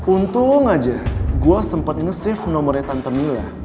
untung aja gue sempat nge save nomornya tante mila